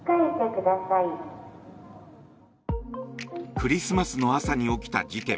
クリスマスの朝に起きた事件。